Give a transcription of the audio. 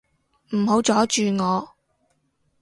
唔好阻住我